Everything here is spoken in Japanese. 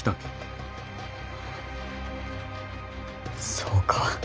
そうか。